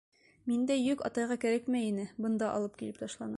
Миндәй йөк атайға кәрәкмәй ине, бында алып килеп ташланы.